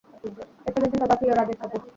এসে গেছে সবার প্রিয়, রাজেশ কাপুর।